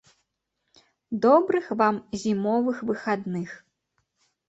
Добрых вам зімовых выхадных.